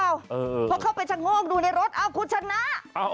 เข้าบ้านเข้าไปชะงวกดูในรถคุณชนะ